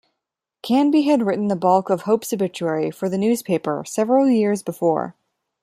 Canby had written the bulk of Hope's obituary for the newspaper several years before.